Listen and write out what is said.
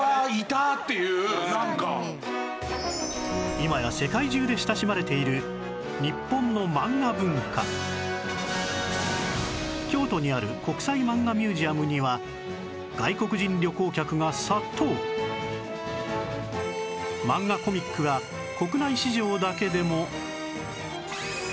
今や世界中で親しまれている日本の漫画文化京都にある国際マンガミュージアムには漫画コミックが国内市場だけでも